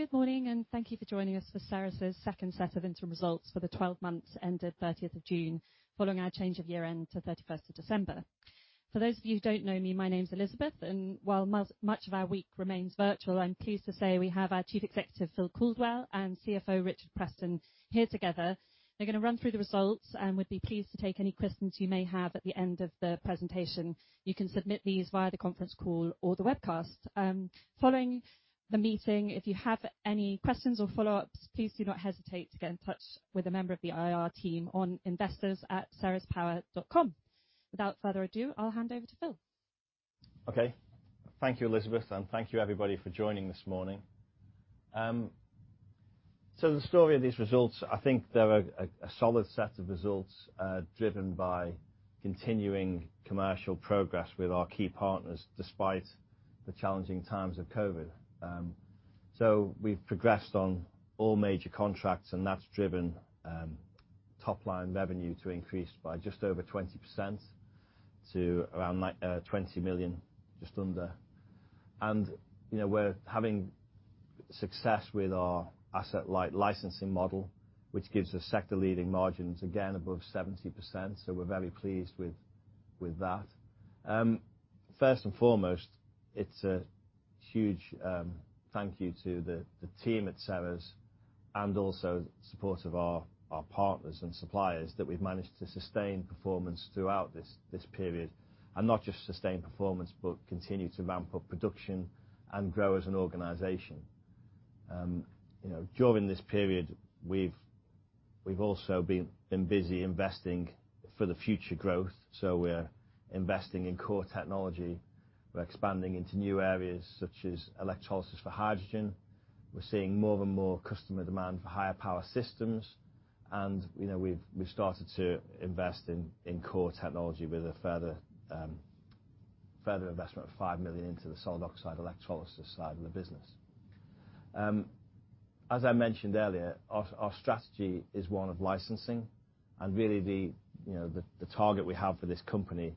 Good morning, and thank you for joining us for Ceres' second set of interim results for the 12 months ended 30th of June, following our change of year-end to 31st of December. For those of you who don't know me, my name's Elizabeth, and while much of our week remains virtual, I'm pleased to say we have our Chief Executive, Phil Caldwell, and CFO, Richard Preston, here together. They're going to run through the results, and we'd be pleased to take any questions you may have at the end of the presentation. You can submit these via the conference call or the webcast. Following the meeting, if you have any questions or follow-ups, please do not hesitate to get in touch with a member of the IR team on investors@cerespower.com. Without further ado, I'll hand over to Phil. Okay. Thank you, Elizabeth, and thank you everybody for joining this morning. The story of these results, I think they're a solid set of results driven by continuing commercial progress with our key partners despite the challenging times of COVID. We've progressed on all major contracts, and that's driven top-line revenue to increase by just over 20% to around 20 million, just under. We're having success with our asset-light licensing model, which gives us sector-leading margins, again, above 70%, we're very pleased with that. First and foremost, it's a huge thank you to the team at Ceres and also the support of our partners and suppliers that we've managed to sustain performance throughout this period, and not just sustain performance, but continue to ramp up production and grow as an organization. During this period, we've also been busy investing for the future growth, so we're investing in core technology. We're expanding into new areas such as electrolysis for hydrogen. We're seeing more and more customer demand for higher power systems, and we've started to invest in core technology with a further investment of 5 million into the solid oxide electrolysis side of the business. As I mentioned earlier, our strategy is one of licensing and really the target we have for this company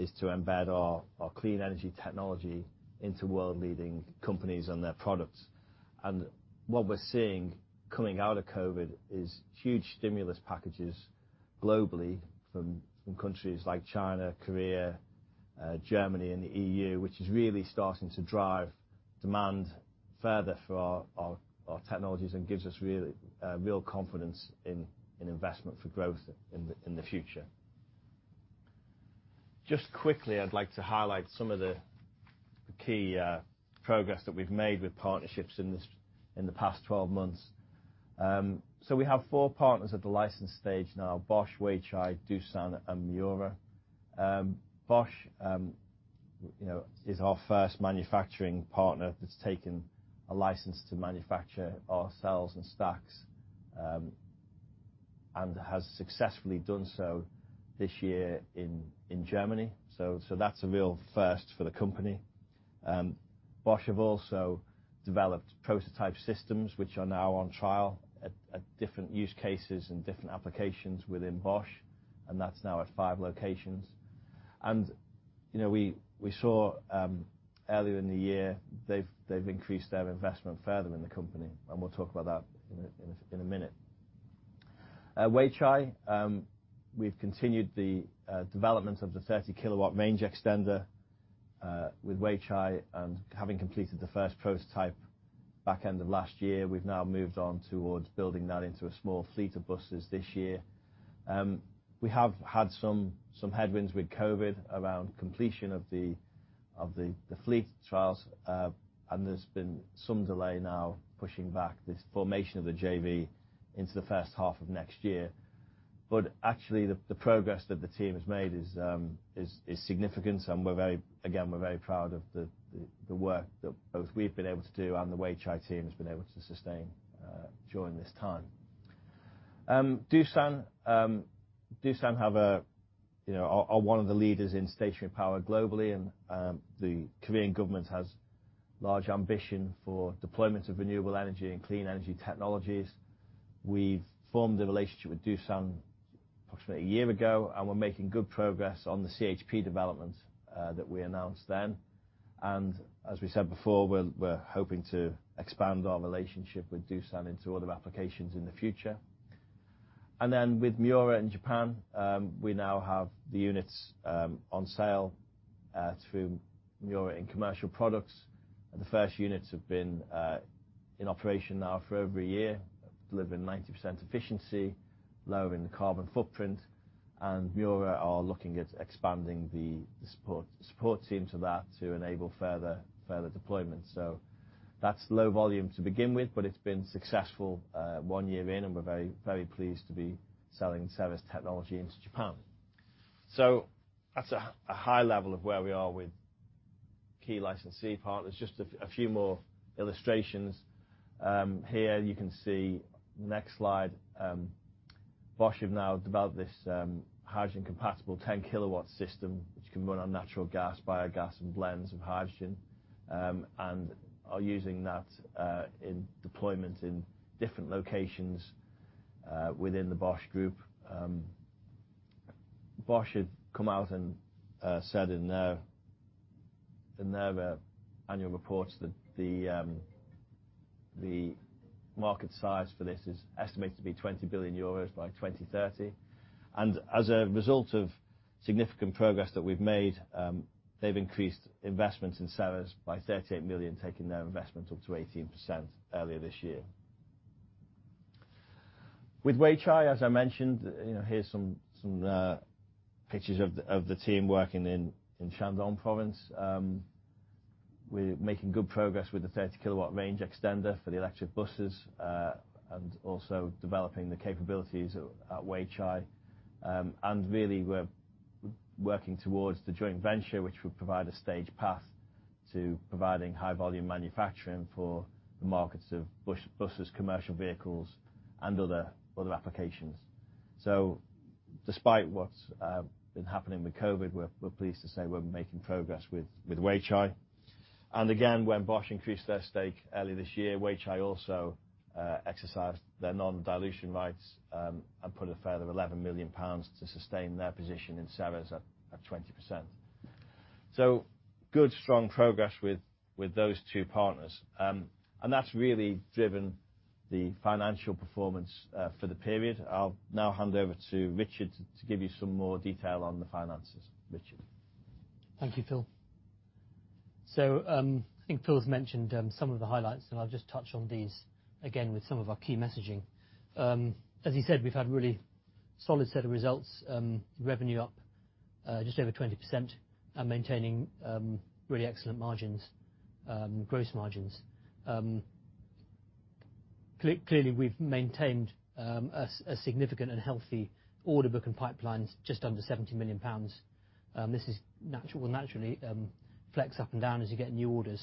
is to embed our clean energy technology into world-leading companies and their products. What we're seeing coming out of COVID is huge stimulus packages globally from countries like China, Korea, Germany, and the EU, which is really starting to drive demand further for our technologies and gives us real confidence in investment for growth in the future. Just quickly, I'd like to highlight some of the key progress that we've made with partnerships in the past 12 months. We have four partners at the license stage now, Bosch, Weichai, Doosan, and Miura. Bosch is our first manufacturing partner that's taken a license to manufacture our cells and stacks, and has successfully done so this year in Germany. That's a real first for the company. Bosch have also developed prototype systems which are now on trial at different use cases and different applications within Bosch, and that's now at five locations. We saw earlier in the year, they've increased their investment further in the company, and we'll talk about that in a minute. At Weichai, we've continued the development of the 30 kW range extender with Weichai, having completed the first prototype back end of last year, we've now moved on towards building that into a small fleet of buses this year. We have had some headwinds with COVID around completion of the fleet trials, there's been some delay now pushing back this formation of the JV into the first half of next year. Actually, the progress that the team has made is significant, and again, we're very proud of the work that both we've been able to do and the Weichai team has been able to sustain during this time. Doosan. Doosan are one of the leaders in stationary power globally, the Korean government has large ambition for deployment of renewable energy and clean energy technologies. We've formed a relationship with Doosan approximately a year ago, and we're making good progress on the CHP development that we announced then. As we said before, we're hoping to expand our relationship with Doosan into other applications in the future. With Miura in Japan, we now have the units on sale through Miura in commercial products. The first units have been in operation now for over a year, delivering 90% efficiency, lowering the carbon footprint, and Miura are looking at expanding the support team to that to enable further deployment. That's low volume to begin with, but it's been successful one year in, and we're very pleased to be selling service technology into Japan. That's a high level of where we are with key licensee partners. Just a few more illustrations. Here you can see, next slide, Bosch have now developed this hydrogen-compatible 10 kW system, which can run on natural gas, biogas, and blends of hydrogen, and are using that in deployment in different locations within the Bosch Group. Bosch had come out and said in their annual reports that the market size for this is estimated to be 20 billion euros by 2030. As a result of significant progress that we've made, they've increased investments in Ceres by 38 million, taking their investment up to 18% earlier this year. With Weichai, as I mentioned, here's some pictures of the team working in Shandong province. We're making good progress with the 30 kW range extender for the electric buses, and also developing the capabilities at Weichai. Really, we're working towards the joint venture, which would provide a stage path to providing high volume manufacturing for the markets of buses, commercial vehicles, and other applications. Despite what's been happening with COVID, we're pleased to say we're making progress with Weichai. Again, when Bosch increased their stake earlier this year, Weichai also exercised their non-dilution rights, and put a further 11 million pounds to sustain their position in Ceres at 20%. Good, strong progress with those two partners. That's really driven the financial performance for the period. I'll now hand over to Richard to give you some more detail on the finances. Richard? Thank you, Phil. I think Phil has mentioned some of the highlights, and I'll just touch on these, again, with some of our key messaging. As you said, we've had really solid set of results. Revenue up just over 20%, and maintaining really excellent margins, gross margins. Clearly, we've maintained a significant and healthy order book and pipelines, just under 70 million pounds. This will naturally flex up and down as you get new orders,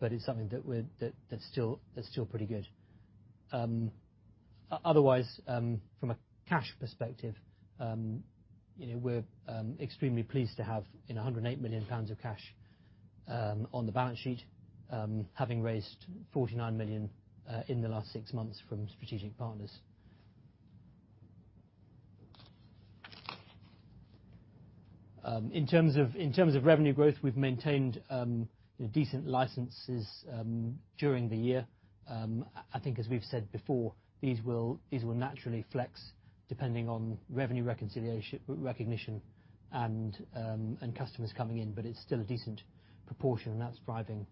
but it's something that's still pretty good. Otherwise, from a cash perspective, we're extremely pleased to have 108 million pounds of cash on the balance sheet, having raised 49 million in the last six months from strategic partners. In terms of revenue growth, we've maintained decent licenses during the year. I think as we've said before, these will naturally flex depending on revenue recognition and customers coming in. It's still a decent proportion, and that's driving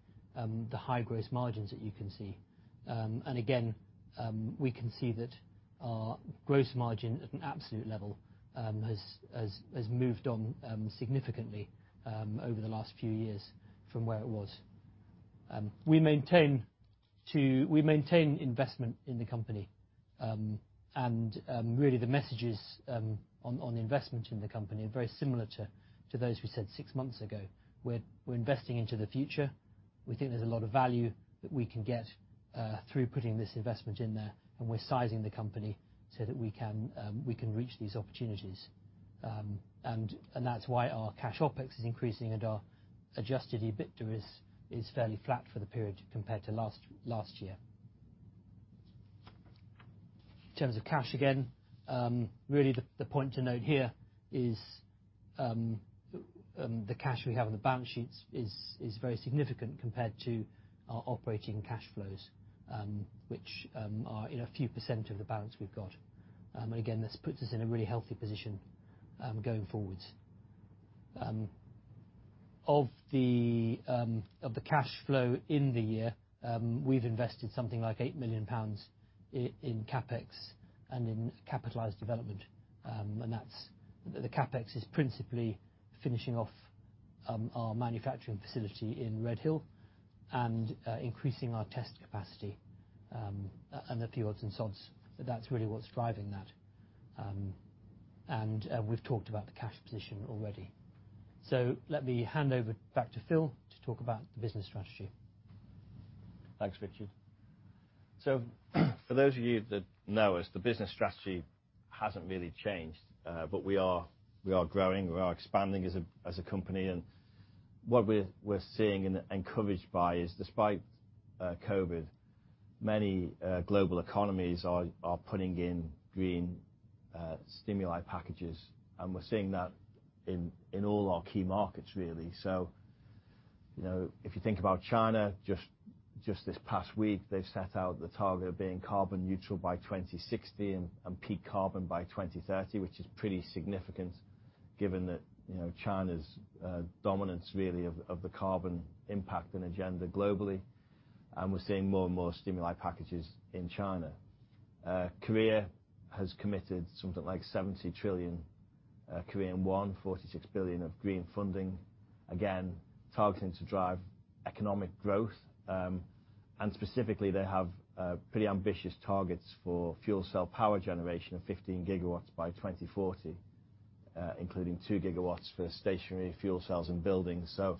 the high gross margins that you can see. Again, we can see that our gross margin at an absolute level has moved on significantly over the last few years from where it was. We maintain investment in the company. Really the messages on investment in the company are very similar to those we said six months ago. We're investing into the future. We think there's a lot of value that we can get through putting this investment in there. We're sizing the company so that we can reach these opportunities. That's why our cash OpEx is increasing and our adjusted EBITDA is fairly flat for the period compared to last year. In terms of cash, again, really the point to note here is the cash we have on the balance sheets is very significant compared to our operating cash flows, which are a few percent of the balance we've got. Again, this puts us in a really healthy position going forwards. Of the cash flow in the year, we've invested something like 8 million pounds in CapEx and in capitalized development. The CapEx is principally finishing off our manufacturing facility in Redhill and increasing our test capacity, and a few odds and sods. That's really what's driving that. We've talked about the cash position already. Let me hand over back to Phil to talk about the business strategy. Thanks, Richard. For those of you that know us, the business strategy hasn't really changed. We are growing, we are expanding as a company. What we're seeing and encouraged by is, despite COVID, many global economies are putting in green stimuli packages. We're seeing that in all our key markets, really. If you think about China, just this past week, they've set out the target of being carbon neutral by 2060 and peak carbon by 2030, which is pretty significant given that China's dominance really of the carbon impact and agenda globally. We're seeing more and more stimuli packages in China. Korea has committed something like 70 trillion Korean won, 46 billion of green funding. Again, targeting to drive economic growth. Specifically, they have pretty ambitious targets for fuel cell power generation of 15 GW by 2040, including 2 GW for stationary fuel cells in buildings. You're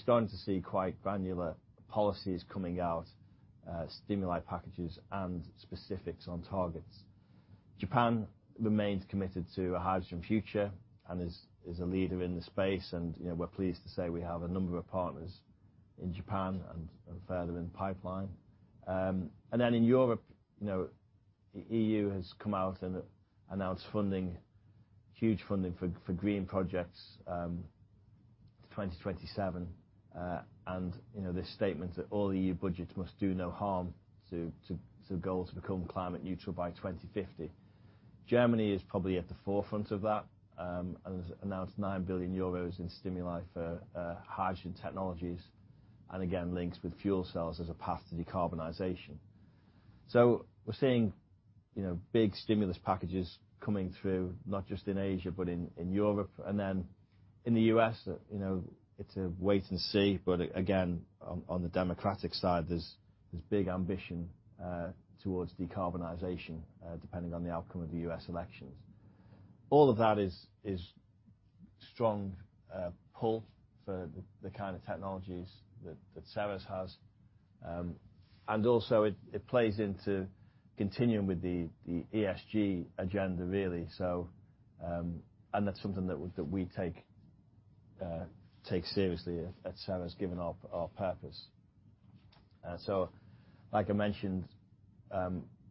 starting to see quite granular policies coming out, stimuli packages and specifics on targets. Japan remains committed to a hydrogen future and is a leader in the space, we're pleased to say we have a number of partners in Japan and further in the pipeline. In Europe, EU has come out and announced funding, huge funding for green projects to 2027. This statement that all EU budgets must do no harm to the goal to become climate neutral by 2050. Germany is probably at the forefront of that and has announced 9 billion euros in stimuli for hydrogen technologies, again, links with fuel cells as a path to decarbonization. We're seeing big stimulus packages coming through, not just in Asia but in Europe. In the U.S., it's a wait and see, but again, on the Democratic side, there's big ambition towards decarbonization, depending on the outcome of the U.S. elections. All of that is strong pull for the kind of technologies that Ceres has. Also it plays into continuing with the ESG agenda, really. That's something that we take seriously at Ceres, given our purpose. Like I mentioned,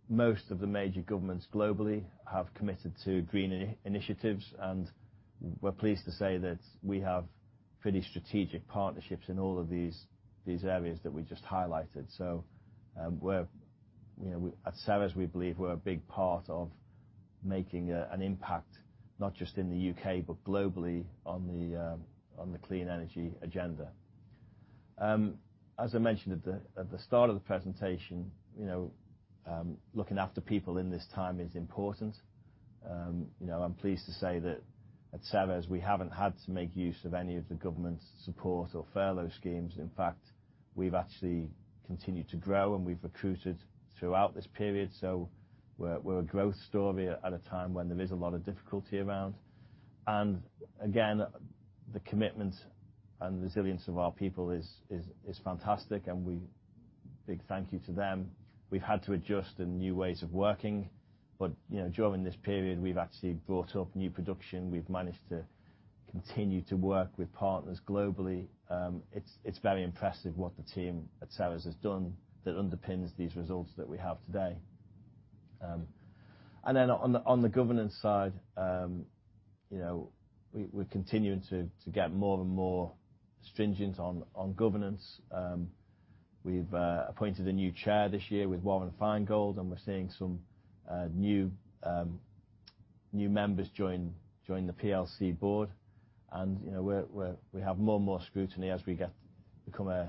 most of the major governments globally have committed to green initiatives, and we're pleased to say that we have pretty strategic partnerships in all of these areas that we just highlighted. At Ceres, we believe we're a big part of making an impact, not just in the U.K., but globally on the clean energy agenda. As I mentioned at the start of the presentation, looking after people in this time is important. I'm pleased to say that at Ceres, we haven't had to make use of any of the government's support or furlough schemes. In fact, we've actually continued to grow and we've recruited throughout this period. We're a growth story at a time when there is a lot of difficulty around. Again, the commitment and resilience of our people is fantastic, and big thank you to them. We've had to adjust in new ways of working, but during this period we've actually brought up new production. We've managed to continue to work with partners globally. It's very impressive what the team at Ceres has done that underpins these results that we have today. Then on the governance side, we're continuing to get more and more stringent on governance. We've appointed a new chair this year with Warren Finegold, we're seeing some new members join the PLC board. We have more and more scrutiny as we become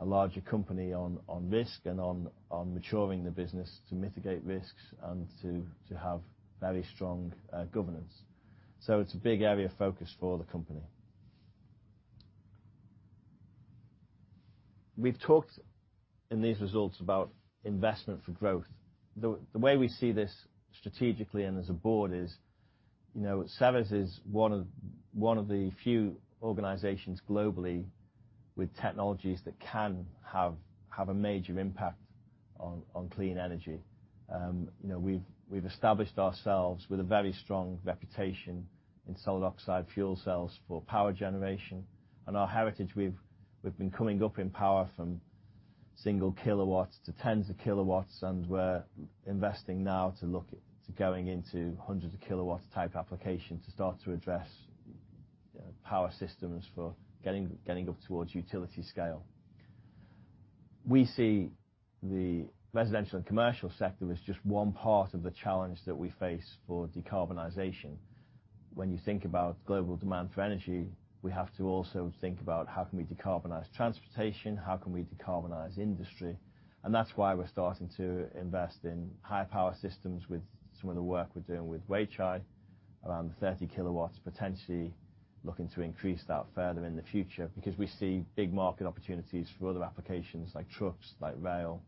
a larger company on risk and on maturing the business to mitigate risks and to have very strong governance. It's a big area of focus for the company. We've talked in these results about investment for growth. The way we see this strategically and as a board is, Ceres is one of the few organizations globally with technologies that can have a major impact on clean energy. We've established ourselves with a very strong reputation in solid oxide fuel cells for power generation. Our heritage, we've been coming up in power from single kilowatts to tens of kilowatts, and we're investing now to look to going into hundreds of kilowatts type applications to start to address power systems for getting up towards utility scale. We see the residential and commercial sector as just one part of the challenge that we face for decarbonization. When you think about global demand for energy, we have to also think about how can we decarbonize transportation, how can we decarbonize industry? That's why we're starting to invest in higher power systems with some of the work we're doing with Weichai around the 30 kW, potentially looking to increase that further in the future because we see big market opportunities for other applications like trucks, like rail,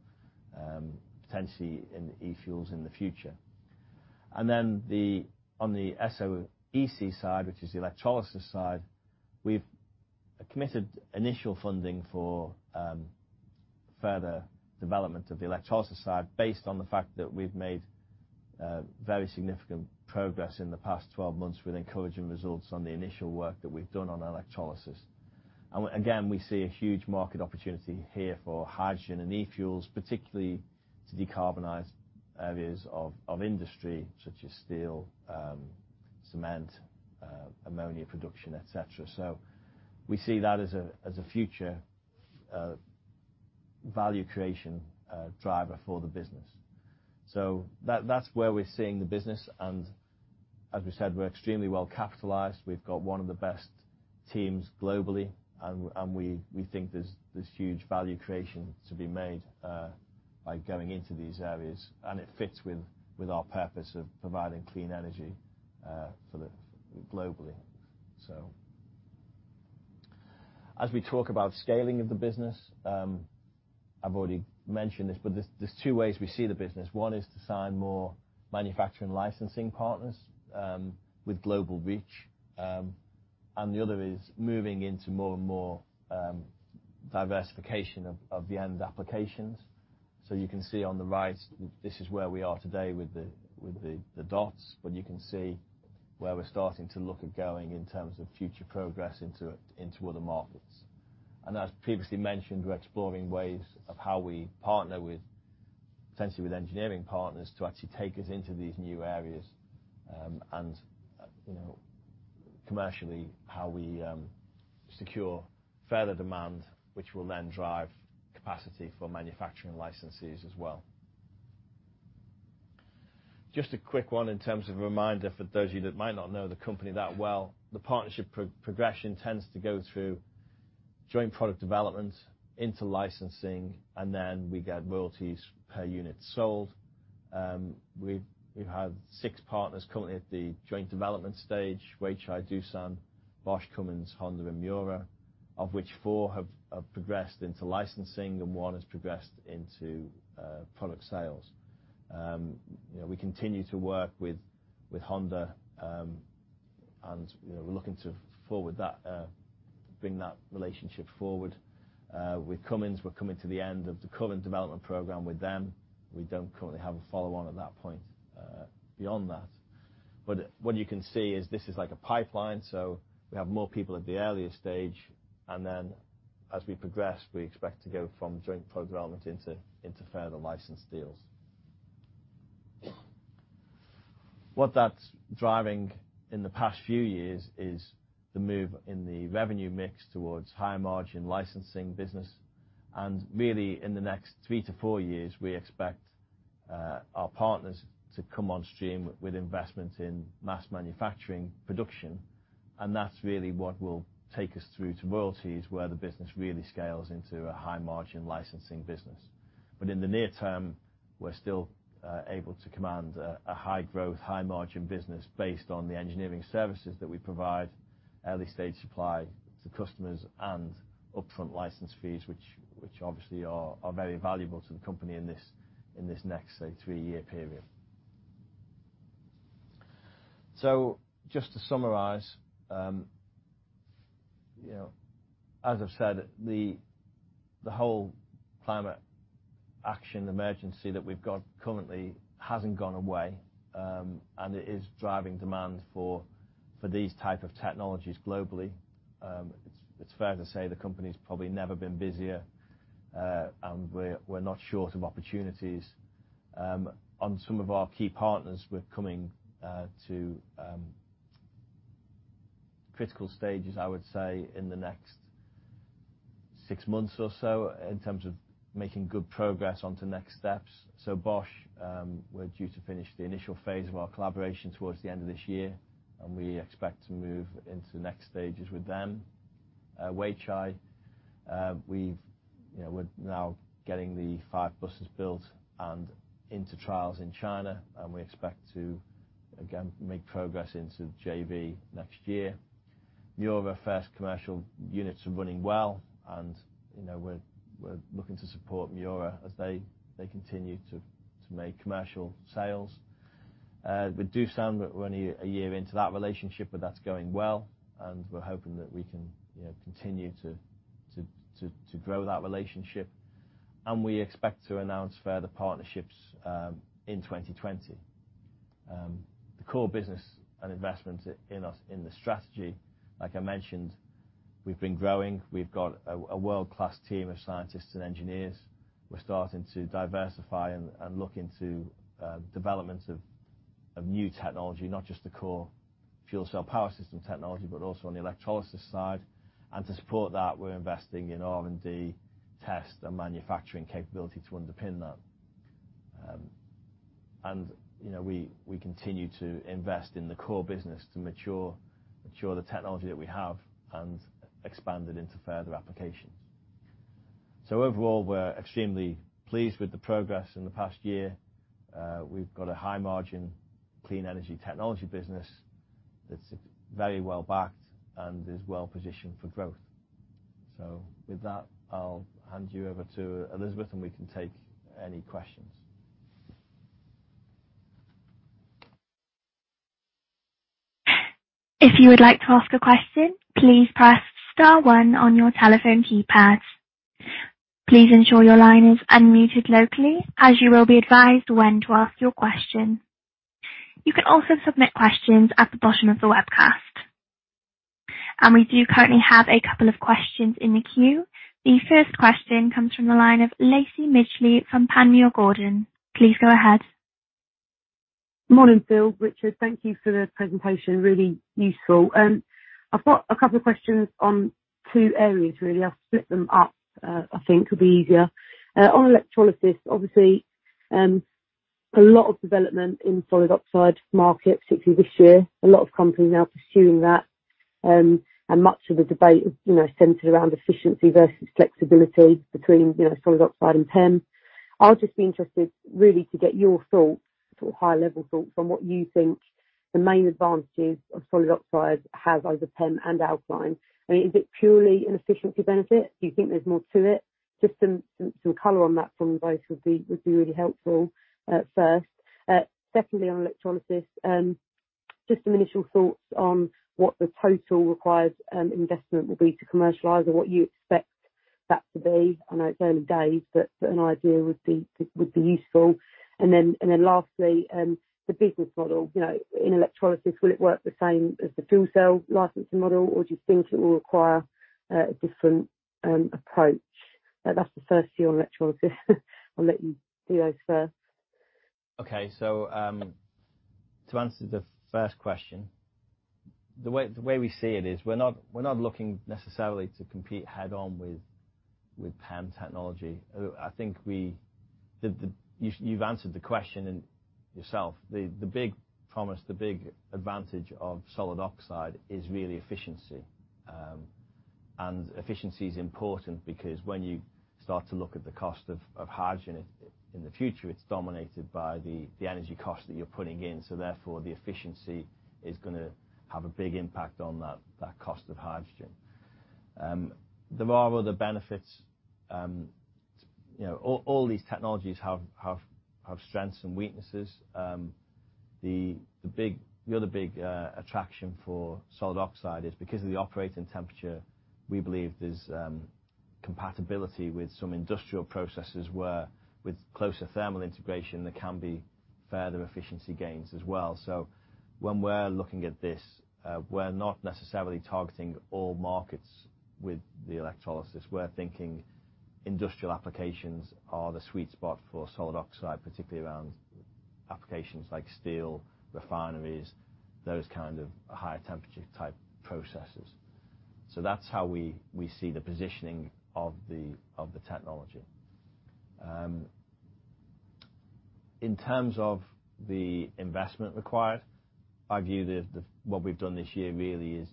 potentially in e-fuels in the future. On the SOEC side, which is the electrolysis side, we've committed initial funding for further development of the electrolysis side based on the fact that we've made very significant progress in the past 12 months with encouraging results on the initial work that we've done on electrolysis. We see a huge market opportunity here for hydrogen and e-fuels, particularly to decarbonize areas of industry such as steel, cement, ammonia production, et cetera. We see that as a future value creation driver for the business. That's where we're seeing the business, and as we said, we're extremely well capitalized. We've got one of the best teams globally, and we think there's huge value creation to be made by going into these areas. It fits with our purpose of providing clean energy globally. As we talk about scaling of the business, I've already mentioned this, but there's two ways we see the business. One is to sign more manufacturing licensing partners with global reach, and the other is moving into more and more diversification of the end applications. You can see on the right, this is where we are today with the dots, but you can see where we're starting to look at going in terms of future progress into other markets. As previously mentioned, we're exploring ways of how we partner potentially with engineering partners to actually take us into these new areas, and commercially, how we secure further demand, which will then drive capacity for manufacturing licensees as well. Just a quick one in terms of a reminder for those of you that might not know the company that well. The partnership progression tends to go through joint product development into licensing. Then we get royalties per unit sold. We've had six partners currently at the joint development stage, Weichai, Doosan, Bosch, Cummins, Honda and Miura, of which four have progressed into licensing and one has progressed into product sales. We continue to work with Honda. We're looking to bring that relationship forward. With Cummins we're coming to the end of the current development program with them. We don't currently have a follow-on at that point beyond that. What you can see is this is like a pipeline. We have more people at the earlier stage. Then as we progress, we expect to go from joint program into further license deals. What that's driving in the past few years is the move in the revenue mix towards higher margin licensing business. Really in the next three to four years, we expect our partners to come on stream with investments in mass manufacturing production. That's really what will take us through to royalties, where the business really scales into a high margin licensing business. In the near term, we're still able to command a high growth, high margin business based on the engineering services that we provide early stage supply to customers and upfront license fees, which obviously are very valuable to the company in this next, say, three-year period. Just to summarize, as I've said, the whole climate action emergency that we've got currently hasn't gone away, and it is driving demand for these type of technologies globally. It's fair to say the company's probably never been busier, and we're not short of opportunities. On some of our key partners, we're coming to critical stages, I would say, in the next six months or so in terms of making good progress onto next steps. Bosch, we're due to finish the initial phase of our collaboration towards the end of this year, and we expect to move into the next stages with them. Weichai, we're now getting the five buses built and into trials in China, and we expect to again make progress into JV next year. Miura first commercial units are running well, and we're looking to support Miura as they continue to make commercial sales. With Doosan we're only a year into that relationship, but that's going well and we're hoping that we can continue to grow that relationship. We expect to announce further partnerships in 2020. The core business and investment in the strategy, like I mentioned, we've been growing. We've got a world-class team of scientists and engineers. We're starting to diversify and look into developments of new technology, not just the core fuel cell power system technology, but also on the electrolysis side. To support that, we're investing in R&D test and manufacturing capability to underpin that. We continue to invest in the core business to mature the technology that we have and expand it into further applications. Overall, we're extremely pleased with the progress in the past year. We've got a high margin, clean energy technology business that's very well backed and is well-positioned for growth. With that, I'll hand you over to Elizabeth, and we can take any questions. If you would like to ask question, please press star one on your telephone keypad. Please ensure your line is unmuted locally, as you will be advised when to ask your question. You can also submit a question at the box option on the webcast. To We do currently have a couple of questions in the queue. The first question comes from the line of Lacie Midgley from Panmure Gordon. Please go ahead. Morning, Phil, Richard. Thank you for the presentation. Really useful. I've got a couple of questions on two areas, really. I'll split them up, I think will be easier. On electrolysis, obviously, a lot of development in solid oxide markets, particularly this year. A lot of companies now pursuing that. Much of the debate centered around efficiency versus flexibility between solid oxide and PEM. I'll just be interested really to get your thoughts, sort of high-level thoughts on what you think the main advantages of solid oxide has over PEM and alkaline. I mean, is it purely an efficiency benefit? Do you think there's more to it? Just some color on that from both would be really helpful at first. Secondly, on electrolysis. Just some initial thoughts on what the total required investment will be to commercialize and what you expect that to be. I know it's early days, but an idea would be useful. Lastly, the business model. In electrolysis, will it work the same as the fuel cell licensing model, or do you think it will require a different approach? That's the first few on electrolysis. I'll let you do those first. Okay. To answer the first question, the way we see it is we're not looking necessarily to compete head-on with PEM technology. I think you've answered the question yourself. The big promise, the big advantage of solid oxide is really efficiency. Efficiency is important because when you start to look at the cost of hydrogen in the future, it's dominated by the energy cost that you're putting in, so therefore, the efficiency is going to have a big impact on that cost of hydrogen. There are other benefits. All these technologies have strengths and weaknesses. The other big attraction for solid oxide is because of the operating temperature, we believe there's compatibility with some industrial processes where with closer thermal integration, there can be further efficiency gains as well. When we're looking at this, we're not necessarily targeting all markets with the electrolysis. We're thinking industrial applications are the sweet spot for solid oxide, particularly around applications like steel refineries, those kind of higher temperature type processes. That's how we see the positioning of the technology. In terms of the investment required, our view what we've done this year really is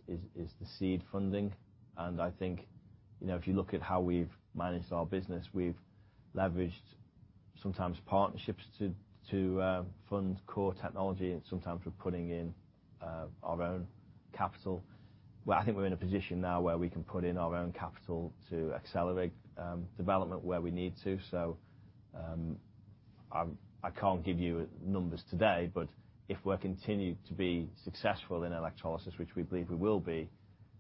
the seed funding. I think if you look at how we've managed our business, we've leveraged sometimes partnerships to fund core technology, and sometimes we're putting in our own capital. I think we're in a position now where we can put in our own capital to accelerate development where we need to. I can't give you numbers today, but if we're continuing to be successful in electrolysis, which we believe we will be,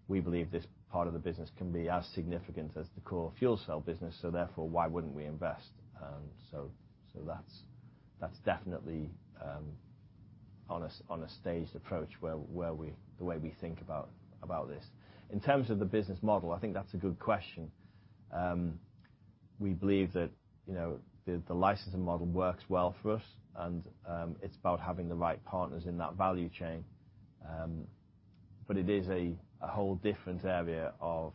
we believe this part of the business can be as significant as the core fuel cell business, so therefore, why wouldn't we invest? That's definitely on a staged approach the way we think about this. In terms of the business model, I think that's a good question. We believe that the licensing model works well for us, and it's about having the right partners in that value chain. It is a whole different area of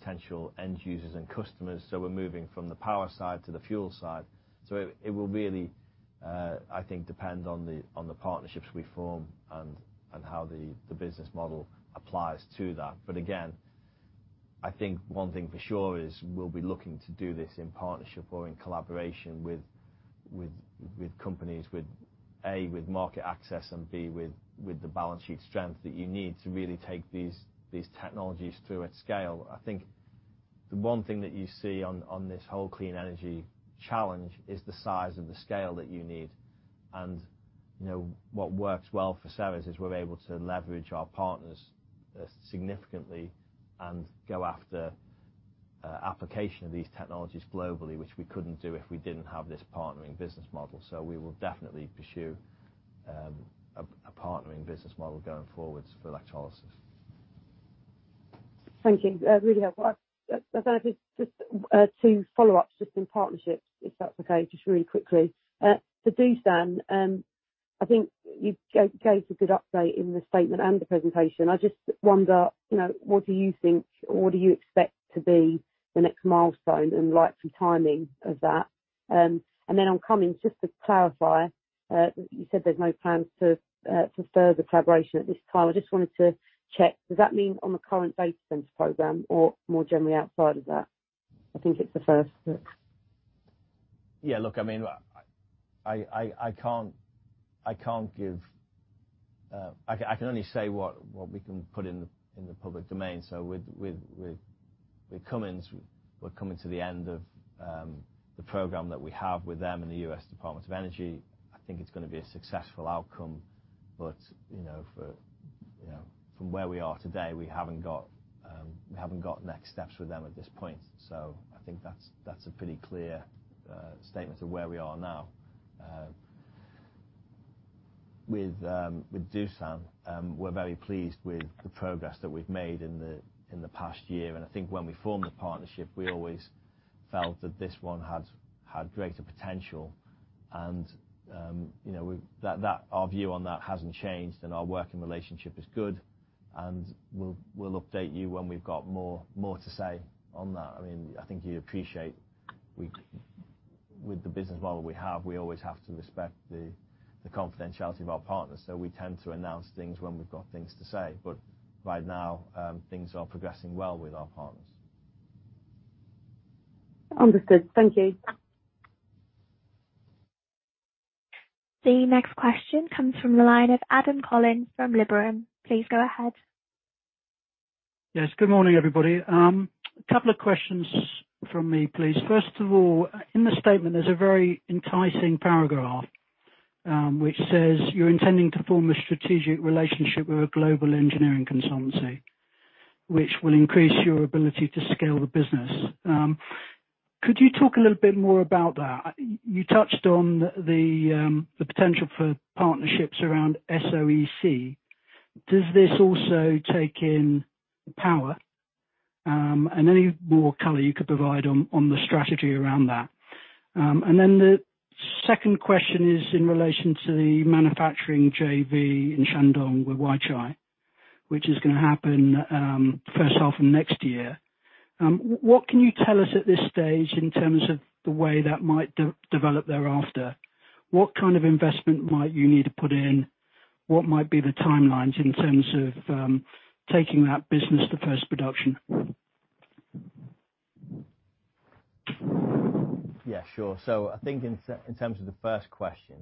potential end users and customers. We're moving from the power side to the fuel side. It will really, I think, depend on the partnerships we form and how the business model applies to that. Again, I think one thing for sure is we'll be looking to do this in partnership or in collaboration with companies with, A, with market access and, B, with the balance sheet strength that you need to really take these technologies through at scale. I think the one thing that you see on this whole clean energy challenge is the size and the scale that you need. What works well for Ceres is we're able to leverage our partners significantly and go after application of these technologies globally, which we couldn't do if we didn't have this partnering business model. We will definitely pursue a partnering business model going forward for electrolysis. Thank you. Really helpful. I've just two follow-ups just in partnerships, if that's okay, just really quickly. To Doosan, I think you gave a good update in the statement and the presentation. I just wonder, what do you think or do you expect to be the next milestone and like some timing of that? On Cummins, just to clarify, you said there's no plans for further collaboration at this time. I just wanted to check, does that mean on the current data center program or more generally outside of that? I think it's the first that Yeah, look, I can only say what we can put in the public domain. With Cummins, we're coming to the end of the program that we have with them and the U.S. Department of Energy. I think it's going to be a successful outcome. From where we are today, we haven't got next steps with them at this point. I think that's a pretty clear statement of where we are now. With Doosan, we're very pleased with the progress that we've made in the past year, and I think when we formed the partnership, we always felt that this one had greater potential. Our view on that hasn't changed, and our working relationship is good, and we'll update you when we've got more to say on that. I think you appreciate with the business model we have, we always have to respect the confidentiality of our partners. We tend to announce things when we've got things to say. Right now, things are progressing well with our partners. Understood. Thank you. The next question comes from the line of Adam Collins from Liberum. Please go ahead. Yes. Good morning, everybody. A couple of questions from me, please. First of all, in the statement, there's a very enticing paragraph which says you're intending to form a strategic relationship with a global engineering consultancy, which will increase your ability to scale the business. Could you talk a little bit more about that? You touched on the potential for partnerships around SOEC. Does this also take in power? Any more color you could provide on the strategy around that. The second question is in relation to the manufacturing JV in Shandong with Weichai, which is going to happen first half of next year. What can you tell us at this stage in terms of the way that might develop thereafter? What kind of investment might you need to put in? What might be the timelines in terms of taking that business to first production? Yeah, sure. I think in terms of the first question,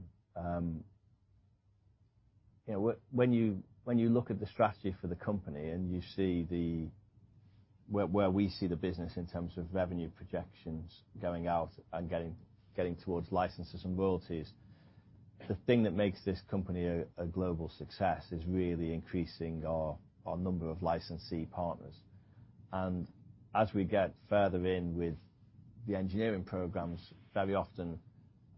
when you look at the strategy for the company and you see where we see the business in terms of revenue projections going out and getting towards licenses and royalties, the thing that makes this company a global success is really increasing our number of licensee partners. As we get further in with the engineering programs, very often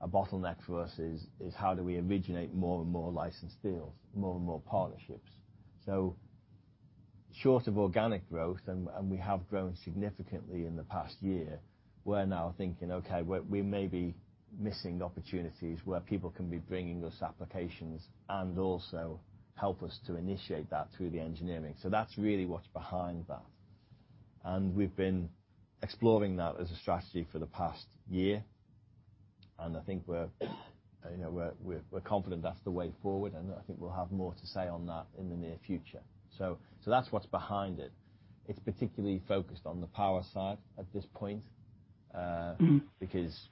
a bottleneck for us is how do we originate more and more license deals, more and more partnerships. Short of organic growth, and we have grown significantly in the past year, we're now thinking, okay, we may be missing opportunities where people can be bringing us applications and also help us to initiate that through the engineering. That's really what's behind that. We've been exploring that as a strategy for the past year, and I think we're confident that's the way forward, and I think we'll have more to say on that in the near future. That's what's behind it. It's particularly focused on the power side at this point, because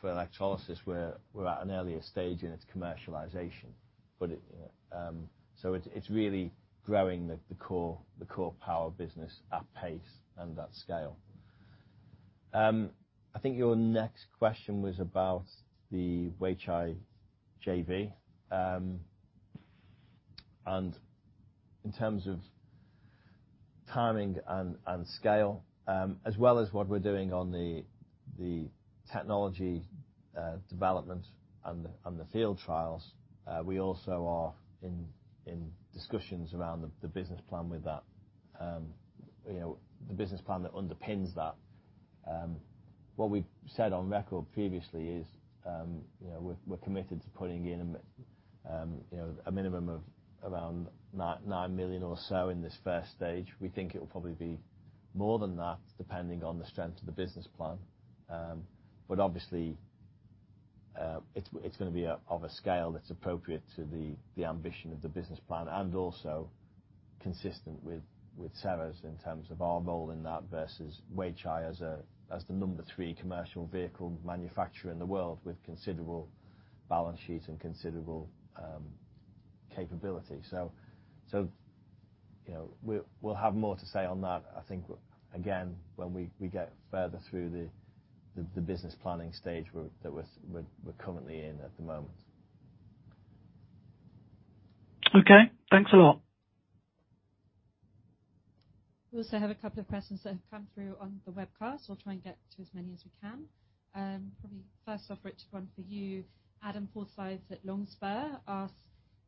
for electrolysis, we're at an earlier stage in its commercialization. It's really growing the core power business at pace and at scale. I think your next question was about the Weichai JV, and in terms of timing and scale, as well as what we're doing on the technology development and the field trials. We also are in discussions around the business plan with that, the business plan that underpins that. What we've said on record previously is, we're committed to putting in a minimum of around 9 million or so in this first stage. We think it will probably be more than that, depending on the strength of the business plan. Obviously, it's going to be of a scale that's appropriate to the ambition of the business plan and also consistent with Ceres in terms of our role in that versus Weichai as the number three commercial vehicle manufacturer in the world with considerable balance sheet and considerable capability. We'll have more to say on that, I think, again, when we get further through the business planning stage that we're currently in at the moment. Okay. Thanks a lot. We also have a couple of questions that have come through on the webcast. We'll try and get to as many as we can. Probably first off, Richard, one for you. Adam Forsyth at Longspur asks,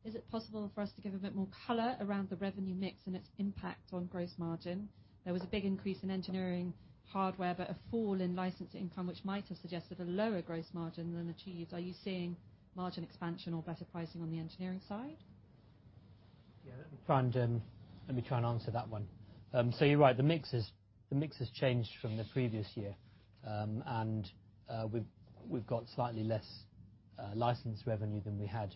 "Is it possible for us to give a bit more color around the revenue mix and its impact on gross margin? There was a big increase in engineering hardware, but a fall in licensed income, which might have suggested a lower gross margin than achieved. Are you seeing margin expansion or better pricing on the engineering side? Yeah, let me try and answer that one. You're right, the mix has changed from the previous year. We've got slightly less licensed revenue than we had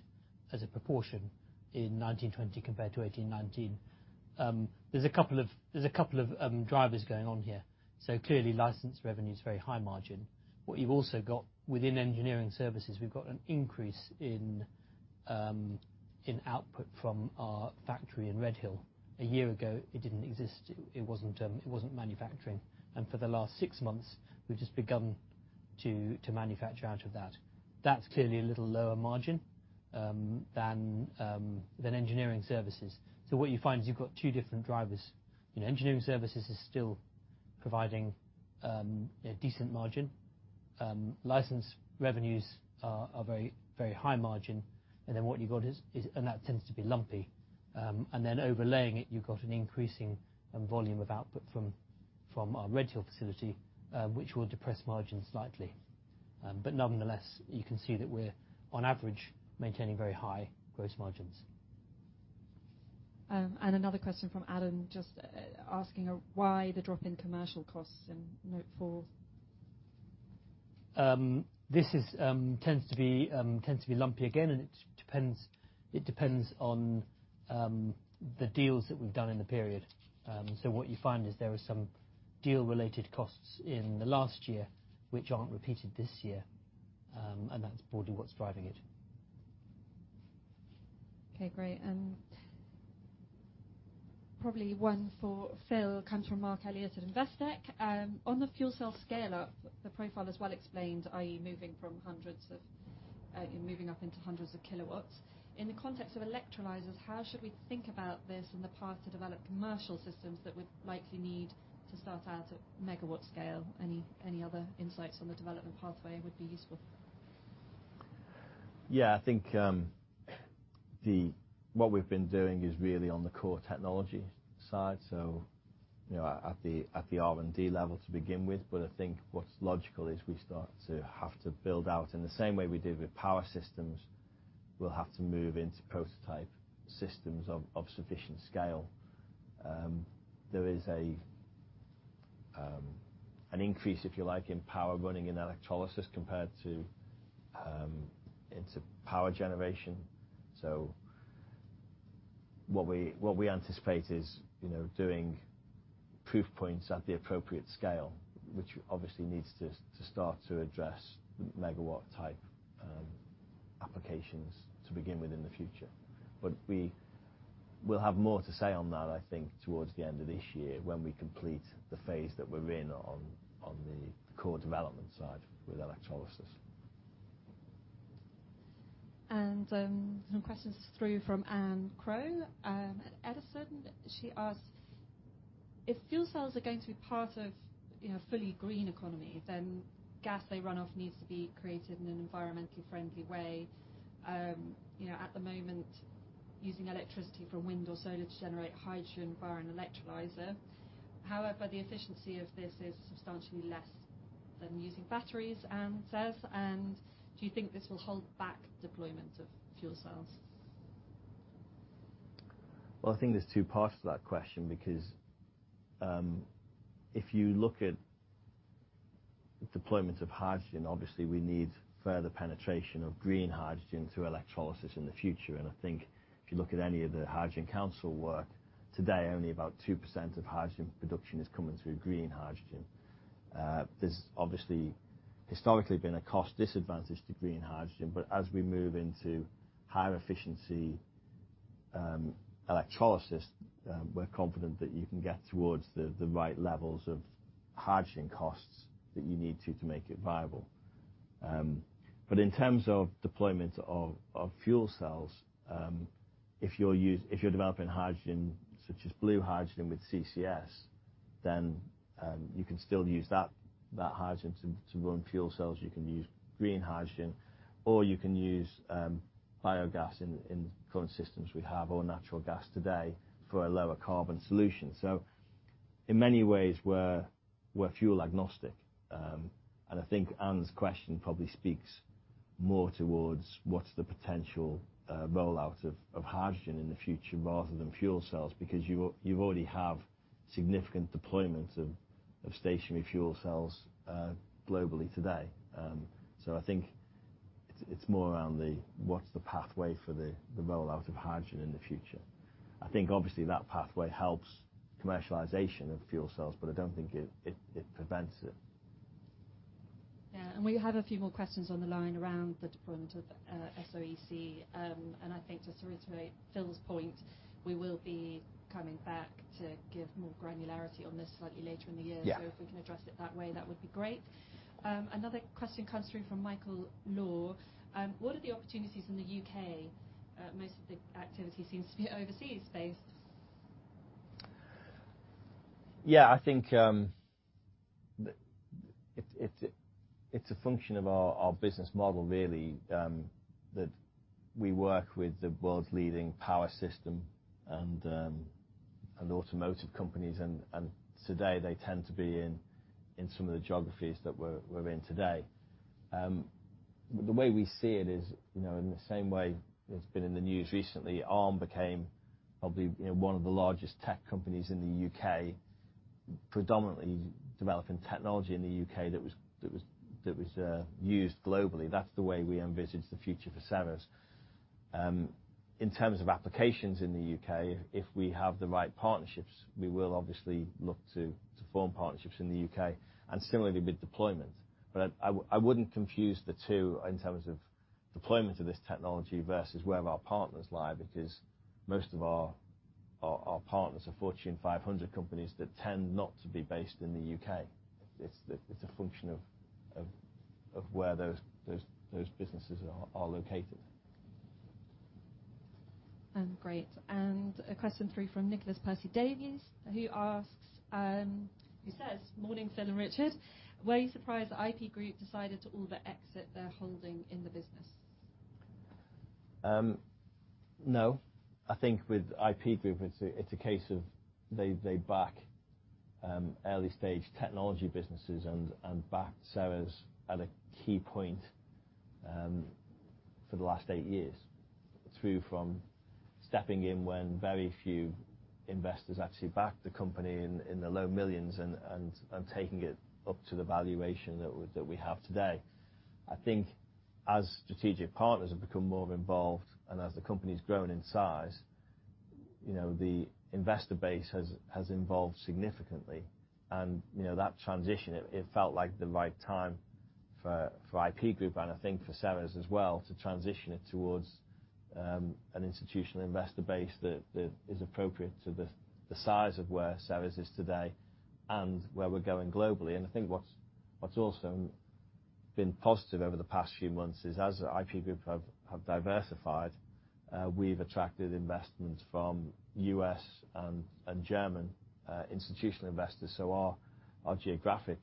as a proportion in 2019, 2020 compared to 2018, 2019. There's a couple of drivers going on here. Clearly, license revenue is very high margin. What you've also got within engineering services, we've got an increase in output from our factory in Redhill. A year ago, it didn't exist. It wasn't manufacturing. For the last six months, we've just begun to manufacture out of that. That's clearly a little lower margin than engineering services. What you find is you've got two different drivers. Engineering services is still providing a decent margin. License revenues are very high margin. Then what you got is, and that tends to be lumpy. Overlaying it, you've got an increasing volume of output from our Redhill facility, which will depress margins slightly. Nonetheless, you can see that we're, on average, maintaining very high gross margins. Another question from Adam, just asking why the drop in commercial costs in Note 4. This tends to be lumpy, again, and it depends on the deals that we've done in the period. What you find is there are some deal-related costs in the last year, which aren't repeated this year. That's broadly what's driving it. Okay, great. Probably one for Phil comes from Marc Elliott at Investec. On the fuel cell scale-up, the profile is well explained, i.e., moving up into hundreds of kilowatts. In the context of electrolyzers, how should we think about this and the path to develop commercial systems that would likely need to start out at megawatt scale? Any other insights on the development pathway would be useful. I think what we've been doing is really on the core technology side, so at the R&D level to begin with. I think what's logical is we start to have to build out in the same way we did with power systems, we'll have to move into prototype systems of sufficient scale. There is an increase, if you like, in power running in electrolysis compared to into power generation. What we anticipate is doing proof points at the appropriate scale, which obviously needs to start to address megawatt type applications to begin with in the future. We will have more to say on that, I think, towards the end of this year when we complete the phase that we're in on the core development side with electrolysis. Some questions through from Anne Crowe at Edison. She asks, "If fuel cells are going to be part of fully green economy, then gas they run off needs to be created in an environmentally friendly way. At the moment, using electricity from wind or solar to generate hydrogen via an electrolyzer. However, the efficiency of this is substantially less than using batteries," Anne says, "Do you think this will hold back deployment of fuel cells? Well, I think there's two parts to that question because, if you look at deployment of hydrogen, obviously we need further penetration of green hydrogen through electrolysis in the future, and I think if you look at any of the Hydrogen Council work, today only about 2% of hydrogen production is coming through green hydrogen. There's obviously historically been a cost disadvantage to green hydrogen, but as we move into higher efficiency electrolysis, we're confident that you can get towards the right levels of hydrogen costs that you need to make it viable. In terms of deployment of fuel cells, if you're developing hydrogen, such as blue hydrogen with CCS, then you can still use that hydrogen to run fuel cells. You can use green hydrogen, or you can use biogas in current systems we have or natural gas today for a lower carbon solution. In many ways, we're fuel agnostic. I think Anne's question probably speaks more towards what's the potential rollout of hydrogen in the future rather than fuel cells, because you already have significant deployment of stationary fuel cells globally today. I think it's more around what's the pathway for the rollout of hydrogen in the future? Obviously that pathway helps commercialization of fuel cells, but I don't think it prevents it. Yeah. We have a few more questions on the line around the deployment of SOEC. I think to reiterate Phil's point, we will be coming back to give more granularity on this slightly later in the year. Yeah. If we can address it that way, that would be great. Another question comes through from Michael Law. "What are the opportunities in the U.K.? Most of the activity seems to be overseas based. Yeah, I think it's a function of our business model, really, that we work with the world's leading power system and automotive companies. Today they tend to be in some of the geographies that we're in today. The way we see it is, in the same way it's been in the news recently, Arm became probably one of the largest tech companies in the U.K., predominantly developing technology in the U.K. that was used globally. That's the way we envisage the future for Ceres. In terms of applications in the U.K., if we have the right partnerships, we will obviously look to form partnerships in the U.K. Similarly with deployment. I wouldn't confuse the two in terms of deployment of this technology versus where our partners lie because most of our partners are Fortune 500 companies that tend not to be based in the U.K. It's a function of where those businesses are located. Great. A question through from Nicholas Percy Davies, who says, "Morning, Phil and Richard. Were you surprised that IP Group decided to all but exit their holding in the business? No. I think with IP Group, it's a case of they back early stage technology businesses and backed Ceres at a key point for the last eight years, through from stepping in when very few investors actually backed the company in the low millions and taking it up to the valuation that we have today. I think as the strategic partners and as a company grows in size, the investor base has evolved significantly. That transition, it felt like the right time for IP Group and I think for Ceres as well, to transition it towards an institutional investor base that is appropriate to the size of where Ceres is today and where we're going globally. I think what's also been positive over the past few months is as IP Group have diversified, we've attracted investment from U.S. and German institutional investors. Our geographic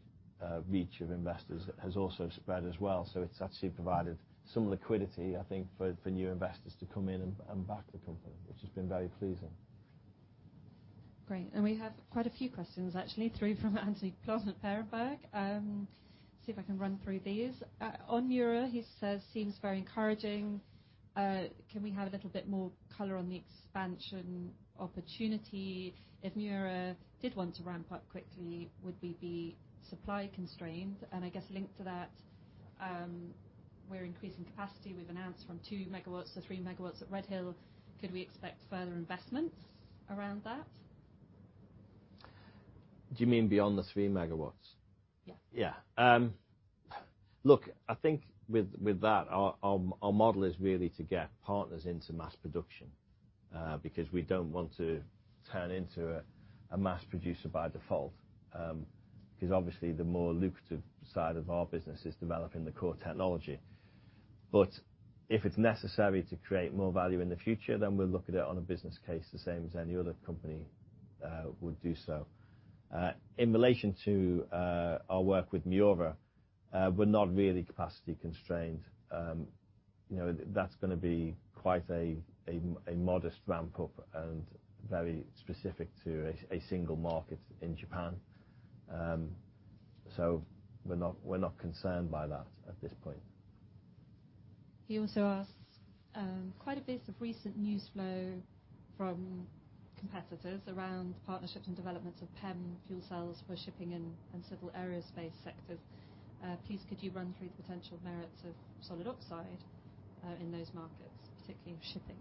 reach of investors has also spread as well. It's actually provided some liquidity, I think, for new investors to come in and back the company, which has been very pleasing. Great. We have quite a few questions actually through from Anthony Plosker at Berenberg. See if I can run through these. On Miura, he says, "Seems very encouraging. Can we have a little bit more color on the expansion opportunity? If Miura did want to ramp up quickly, would we be supply constrained?" I guess linked to that, we're increasing capacity, we've announced from 2 MW-3 MW at Redhill. Could we expect further investments around that? Do you mean beyond the 3 MW? Yeah. Yeah. Look, I think with that, our model is really to get partners into mass production, because we don't want to turn into a mass producer by default. Obviously the more lucrative side of our business is developing the core technology. If it's necessary to create more value in the future, then we'll look at it on a business case the same as any other company would do so. In relation to our work with Miura, we're not really capacity constrained. That's going to be quite a modest ramp up and very specific to a single market in Japan. We're not concerned by that at this point. He also asks, "Quite a bit of recent news flow from competitors around partnerships and developments of PEM fuel cells for shipping and civil aerospace sectors. Please could you run through the potential merits of solid oxide in those markets, particularly shipping?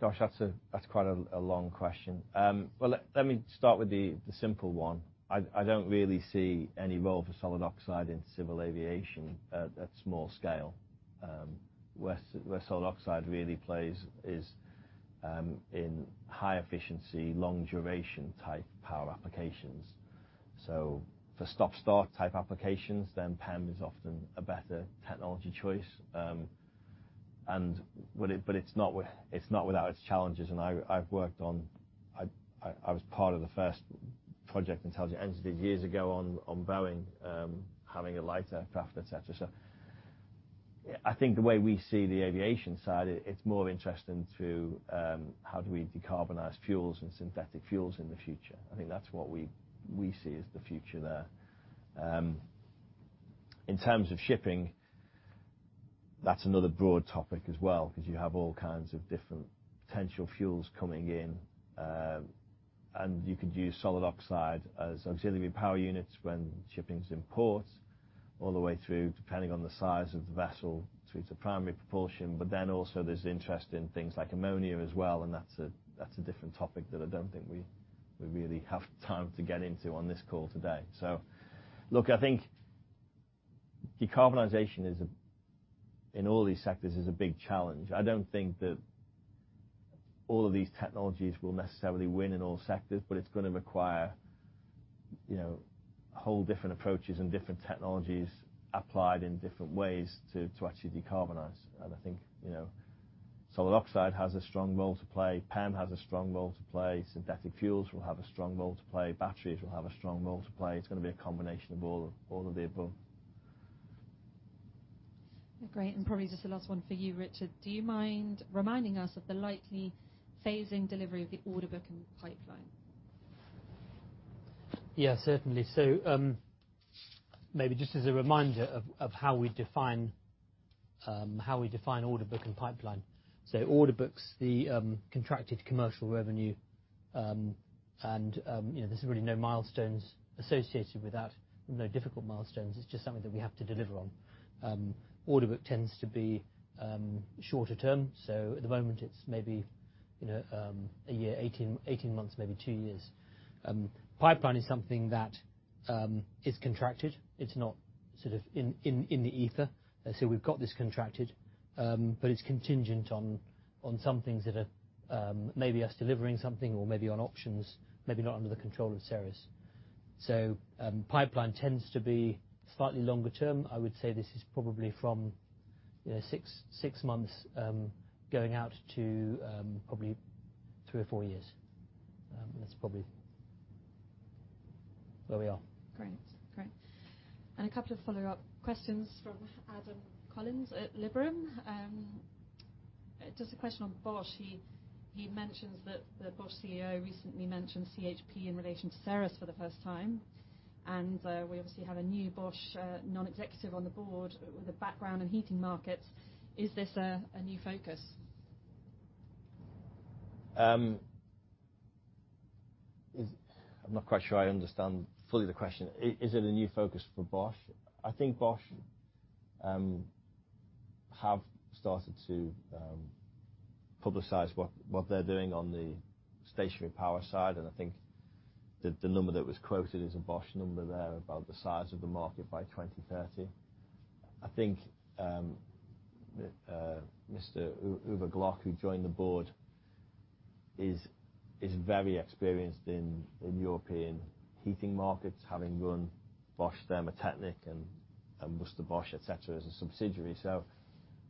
Gosh, that's quite a long question. Well, let me start with the simple one. I don't really see any role for solid oxide in civil aviation at small scale. Where solid oxide really plays is in high efficiency, long duration type power applications. For stop-start type applications, PEM is often a better technology choice. It's not without its challenges, and I've worked on I was part of the first project in Intelligent Energy years ago on Boeing, having a light aircraft, et cetera. I think the way we see the aviation side, it's more interesting to how do we decarbonize fuels and synthetic fuels in the future. I think that's what we see as the future there. In terms of shipping, that's another broad topic as well, because you have all kinds of different potential fuels coming in. You could use solid oxide as auxiliary power units when shipping's in port all the way through, depending on the size of the vessel, through to primary propulsion. Also there's interest in things like ammonia as well, and that's a different topic that I don't think we really have time to get into on this call today. Look, I think decarbonization in all these sectors is a big challenge. I don't think that all of these technologies will necessarily win in all sectors, but it's going to require whole different approaches and different technologies applied in different ways to actually decarbonize. I think, solid oxide has a strong role to play. PEM has a strong role to play. Synthetic fuels will have a strong role to play. Batteries will have a strong role to play. It's going to be a combination of all of the above. Great. Probably just the last one for you, Richard, do you mind reminding us of the likely phasing delivery of the order book and pipeline? Yeah, certainly. Maybe just as a reminder of how we define order book and pipeline. Order book's the contracted commercial revenue, and there's really no milestones associated with that, no difficult milestones. It's just something that we have to deliver on. Order book tends to be shorter term. At the moment it's maybe a year, 18 months, maybe two years. Pipeline is something that is contracted. It's not sort of in the ether. We've got this contracted, but it's contingent on some things that are maybe us delivering something or maybe on options, maybe not under the control of Ceres. Pipeline tends to be slightly longer term. I would say this is probably from six months, going out to probably three or four years. That's probably where we are. Great. A couple of follow-up questions from Adam Collins at Liberum. Just a question on Bosch. He mentions that the Bosch CEO recently mentioned CHP in relation to Ceres for the first time, and we obviously have a new Bosch non-executive on the board with a background in heating markets. Is this a new focus? I'm not quite sure I understand fully the question. Is it a new focus for Bosch? I think Bosch have started to publicize what they're doing on the stationary power side, and I think that the number that was quoted is a Bosch number there about the size of the market by 2030. I think Mr. Uwe Glock, who joined the board, is very experienced in European heating markets, having run Bosch Thermotechnik and Worcester Bosch, et cetera, as a subsidiary.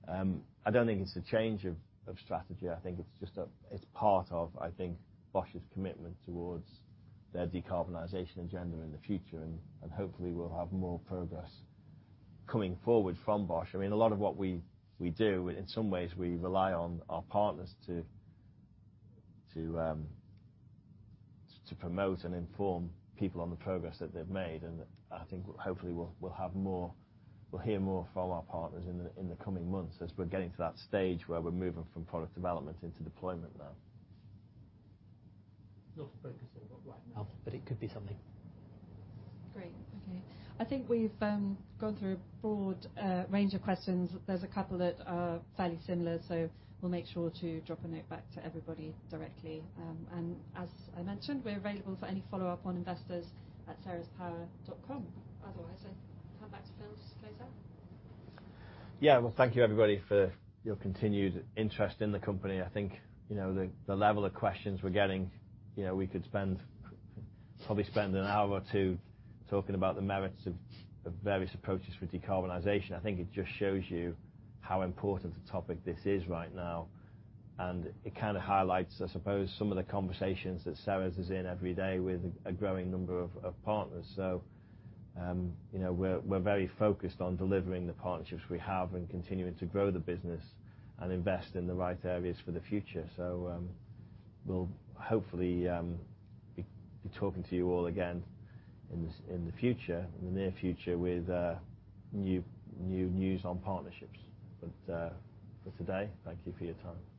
I don't think it's a change of strategy. I think it's part of, I think, Bosch's commitment towards their decarbonization agenda in the future. Hopefully, we'll have more progress coming forward from Bosch. A lot of what we do, in some ways, we rely on our partners to promote and inform people on the progress that they've made. I think hopefully, we'll hear more from our partners in the coming months as we're getting to that stage where we're moving from product development into deployment now. Not focused on it right now. It could be something. Great. Okay. I think we've gone through a broad range of questions. There's a couple that are fairly similar, so we'll make sure to drop a note back to everybody directly. As I mentioned, we're available for any follow-up on investors@cerespower.com. Otherwise, I hand back to Phil to close out. Yeah. Well, thank you everybody for your continued interest in the company. I think, the level of questions we're getting, we could probably spend an hour or two talking about the merits of various approaches for decarbonization. I think it just shows you how important a topic this is right now, and it kind of highlights, I suppose, some of the conversations that Ceres is in every day with a growing number of partners. We're very focused on delivering the partnerships we have and continuing to grow the business and invest in the right areas for the future. We'll hopefully be talking to you all again in the near future with new news on partnerships. For today, thank you for your time.